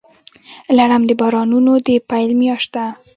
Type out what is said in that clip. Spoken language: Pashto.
لړم د بارانونو د پیل میاشت ده.